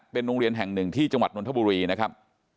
เป็นโรงเรียนแห่งหนึ่งที่จังหวัดนทบุรีนะครับ